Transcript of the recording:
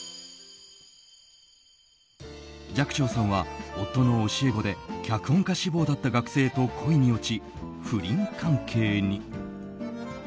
寂聴さんは夫の教え子で脚本家志望だった学生と恋に落ち、不倫関係に。